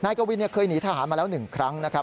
นายเกวินเคยหนีทหารมาแล้วหนึ่งครั้งนะครับ